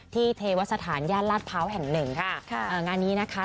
ที่เทวสถานย่านราชเภาแห่งหนึ่งค่ะงานนี้นะคะ